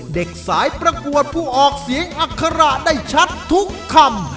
เด็กสายประกวดผู้ออกเสียงอัคระได้ชัดทุกคำ